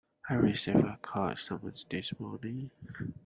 I received a court summons this morning.